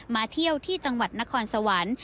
เที่ยวที่จังหวัดนครสวรรค์